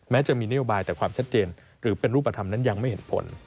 จะมีนโยบายแต่ความชัดเจนหรือเป็นรูปธรรมนั้นยังไม่เห็นผล